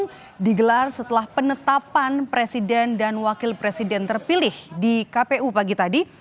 yang digelar setelah penetapan presiden dan wakil presiden terpilih di kpu pagi tadi